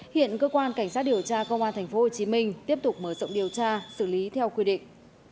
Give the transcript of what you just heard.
hiện cơ quan cảnh sát điều tra công an tp hcm tiếp tục mở rộng điều tra xử lý theo quy định